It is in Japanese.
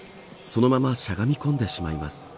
そのまましゃがみ込んでしまいます。